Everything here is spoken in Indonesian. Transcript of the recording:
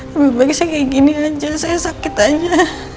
lebih baik saya begini saja saya sakit saja